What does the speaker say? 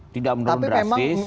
tidak menurun drastis